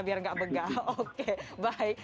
biar nggak begah oke bye